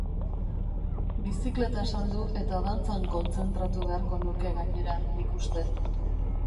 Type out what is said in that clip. Bizikleta saldu eta dantzan kontzentratu beharko nuke, gainera, nik uste.